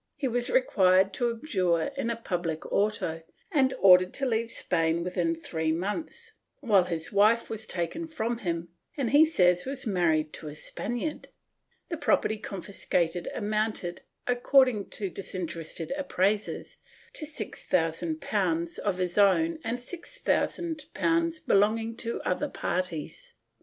He was required to abjure in a public auto and ordered to leave Spain within three months, while his wife was taken from him and he says was married to a Spaniard, The property confiscated amounted, according to disinterested appraisers, to ^6000 of his own and ;^6000 belonging to other parties.